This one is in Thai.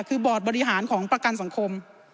คือบอร์ดบริหารของประกันสังคม